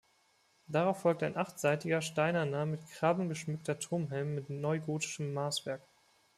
Darauf folgt ein achtseitiger, steinerner, mit Krabben geschmückter Turmhelm mit neugotischem Maßwerk.